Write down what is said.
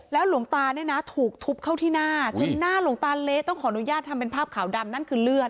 หลวงตาเนี่ยนะถูกทุบเข้าที่หน้าจนหน้าหลวงตาเละต้องขออนุญาตทำเป็นภาพขาวดำนั่นคือเลือด